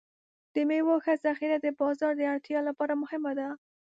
د میوو ښه ذخیره د بازار د اړتیا لپاره مهمه ده.